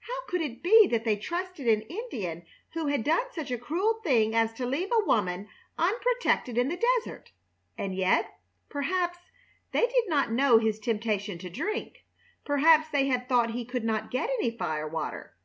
How could it be that they trusted an Indian who had done such a cruel thing as to leave a woman unprotected in the desert? And yet, perhaps, they did not know his temptation to drink. Perhaps they had thought he could not get any firewater.